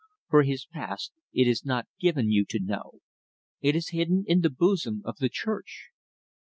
For his past, it is not given you to know. It is hidden in the bosom of the Church.